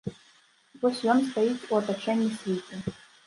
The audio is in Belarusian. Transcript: Вось ён стаіць у атачэнні світы.